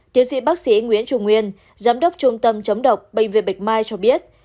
tiến sĩ bác sĩ nguyễn trung nguyên giám đốc trung tâm chấm độc bệnh viện bệnh mai cho biết